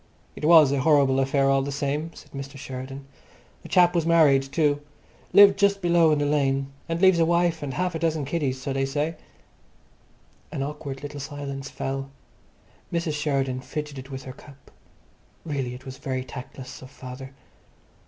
"It was a horrible affair all the same," said Mr. Sheridan. "The chap was married too. Lived just below in the lane, and leaves a wife and half a dozen kiddies, so they say." An awkward little silence fell. Mrs. Sheridan fidgeted with her cup. Really, it was very tactless of father....